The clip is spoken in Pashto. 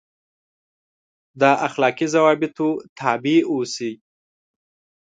دا اخلاقي ضوابطو تابع اوسي.